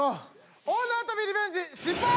大なわとびリベンジ失敗！